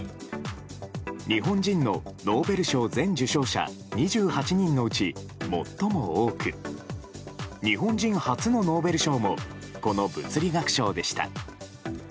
日本人のノーベル賞全受賞者２８人のうち最も多く日本人初のノーベル賞もこの物理学賞でした。